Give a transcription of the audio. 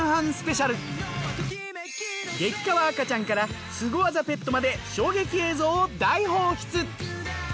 激かわ赤ちゃんからスゴ技ペットまで衝撃映像を大放出。